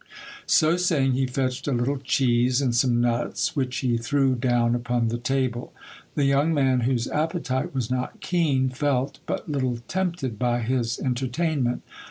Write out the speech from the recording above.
So saving, he fetched a little cheese and some nuts, which he threw down upon the table. The young man, whose appetite was not keen, felt but little tempted by his entertainment.